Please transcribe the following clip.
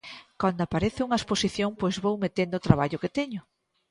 Cando aparece unha exposición pois vou metendo o traballo que teño.